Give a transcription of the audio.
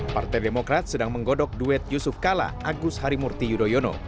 partai demokrat sedang menggodok duet yusuf kala agus harimurti yudhoyono